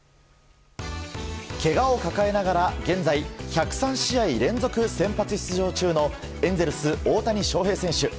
けがを抱えながら現在１０３試合連続先発出場中のエンゼルス大谷翔平選手。